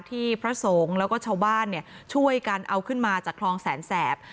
พระสงฆ์แล้วก็ชาวบ้านช่วยกันเอาขึ้นมาจากคลองแสนแสบ